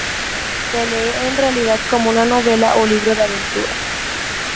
Se lee en realidad como una novela o libro de aventuras.